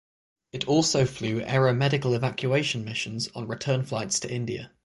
It also flew aeromedical evacuation missions on return flights to India.